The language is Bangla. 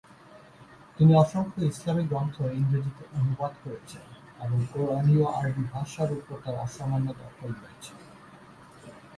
তিনি অসংখ্য ইসলামি গ্রন্থ ইংরেজিতে অনুবাদ করেছেন এবং কোরআনীয় আরবি ভাষার উপর তাঁর অসামান্য দখল রয়েছে।